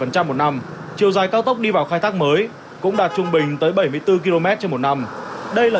triệu chiều dài cao tốc đi vào khai thác mới cũng đạt trung bình tới bảy mươi bốn km trong một năm đây là